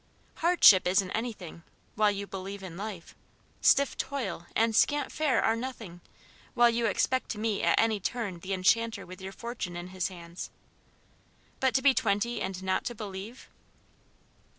Hardship isn't anything while you believe in life. Stiff toil and scant fare are nothing while you expect to meet at any turning the Enchanter with your fortune in his hands. But to be twenty and not to believe